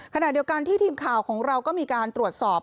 ขณะเดียวกันที่ทีมข่าวของเราก็มีการตรวจสอบ